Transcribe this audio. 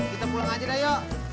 be kita pulang aja dah yuk